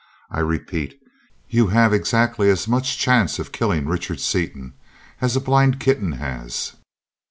I repeat, you have exactly as much chance of killing Richard Seaton as a blind kitten has."